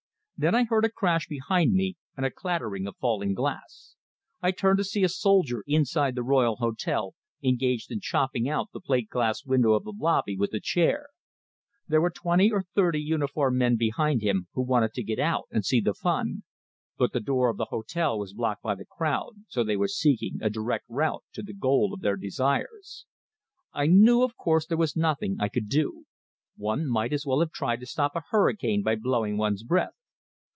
Then I heard a crash behind me, and a clatter of falling glass; I turned to see a soldier, inside the Royal Hotel, engaged in chopping out the plate glass window of the lobby with a chair. There were twenty or thirty uniformed men behind him, who wanted to get out and see the fun; but the door of the hotel was blocked by the crowd, so they were seeking a direct route to the goal of their desires. I knew, of course, there was nothing I could do; one might as well have tried to stop a hurricane by blowing one's breath.